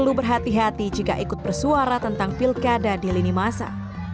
perlu berhati hati jika ikut bersuara tentang pilkada di lini masa